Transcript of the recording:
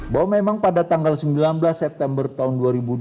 bahwa memang pada tanggal sembilan belas september tahun dua ribu dua puluh